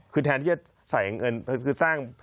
คือแทนที่จะใส่เงินคือสร้าง